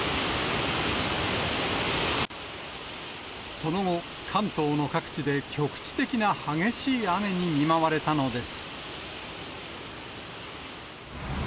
その後、関東の各地で局地的な激しい雨に見舞われたのです。